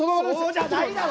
そうじゃないだろ！